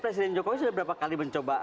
presiden jokowi sudah berapa kali mencoba